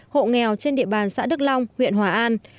hộ nghèo trên địa bàn xã đức long huyện hòa an